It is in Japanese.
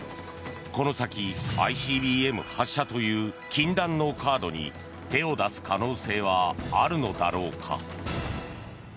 この先、ＩＣＢＭ発射という禁断のカードに手を出す可能性はあるのだろうか。